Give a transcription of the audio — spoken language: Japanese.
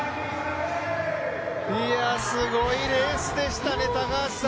すごいレースでしたね。